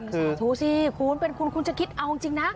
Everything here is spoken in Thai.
สาธุสิคุณเป็นคุณคุณจะคิดเอาจริงนะ